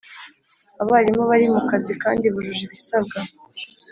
Abarimu bari mu kazi kandi bujuje ibisabwa